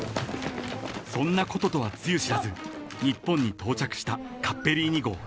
［そんなこととはつゆ知らず日本に到着したカッペリーニ号］